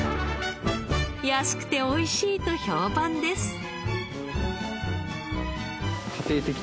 安くておいしいと評判です。